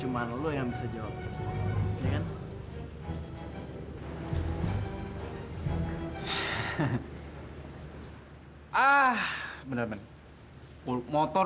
akan membawa ayah belajar